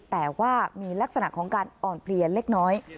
แต่ว่ามีลักษณะของการอ่อนเพลียเล็กน้อย